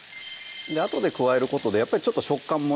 あとで加えることでやっぱりちょっと食感もね